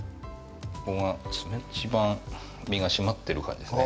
ここが一番身が締まってる感じですね。